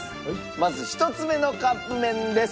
まず１つ目のカップ麺です。